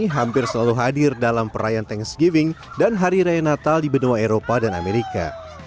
hampir selalu hadir dalam perayaan thanks giving dan hari raya natal di benua eropa dan amerika